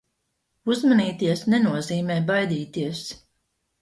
Uzmanīties nenozīmē baidīties.